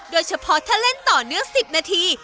โดยเฉพาะถ้าเล่นต่อเนื่อง๑๐นาที